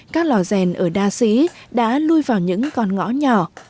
các lò rèn ở đa sĩ đã lui vào những con ngõ nhỏ